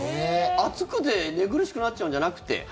暑くて、寝苦しくなっちゃうんじゃなくて？